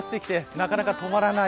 なかなか止まらない